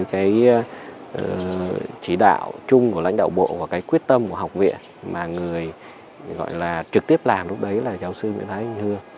trong lãnh đạo trung của lãnh đạo bộ và cái quyết tâm của học viện mà người gọi là trực tiếp làm lúc đấy là giáo sư nguyễn thái yên hương